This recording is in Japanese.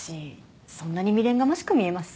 そんなに未練がましく見えます？